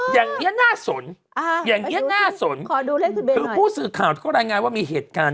อย่างเนี้ยน่าสนอย่างเนี้ยน่าสนคือผู้สื่อข่าวก็รายงานว่ามีเหตุการณ์